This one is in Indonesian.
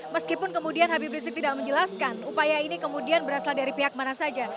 meskipun kemudian habib rizik tidak menjelaskan upaya ini kemudian berasal dari pihak mana saja